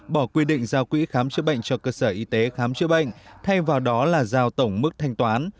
bỏ quy định giao quỹ khám chữa bệnh cho cơ sở y tế khám chữa bệnh thay vào đó là giao tổng mức thanh toán